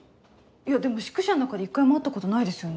いやでも宿舎の中で一回も会ったことないですよね。